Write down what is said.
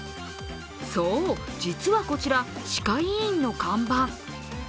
そう、実はこちら歯科医院の看板。